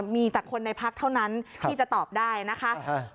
มีแต่คนในพักเท่านั้นที่จะตอบได้นะคะ